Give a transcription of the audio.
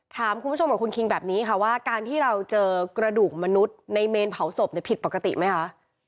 ถามคุณผู้ชมกับคุณคิงแบบนี้ค่ะว่าการที่เราเจอกระดูกมนุษย์ในเมนเผาศพผิดปกติไหมคะ